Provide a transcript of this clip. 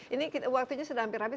ini waktunya sudah hampir habis